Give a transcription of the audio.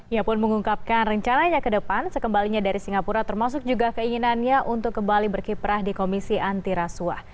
ia pun mengungkapkan rencananya ke depan sekembalinya dari singapura termasuk juga keinginannya untuk kembali berkiprah di komisi antirasuah